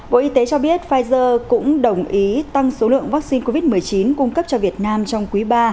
bộ y tế cho biết pfizer cũng đồng ý tăng số lượng vaccine covid một mươi chín cung cấp cho việt nam trong quý ba